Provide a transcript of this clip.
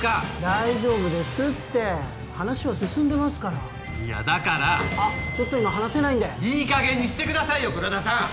大丈夫ですって話は進んでますからいやだからあっちょっと今話せないんでいい加減にしてくださいよ黒田さん！